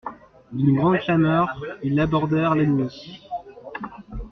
D'une grande clameur, ils abordèrent l'ennemi.